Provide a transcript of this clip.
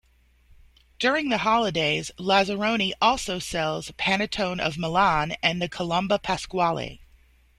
During the holidays, Lazzaroni also sells panettone of Milan and the Colomba Pasquale.